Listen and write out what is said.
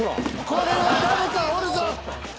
これは誰かおるぞ！